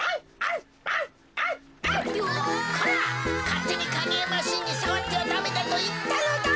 かってにかげえマシンにさわってはダメだといったのだ。